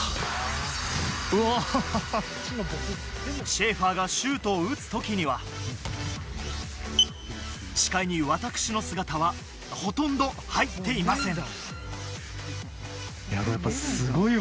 シェーファーがシュートを打つ時には、視界に私の姿はほとんど入っていません。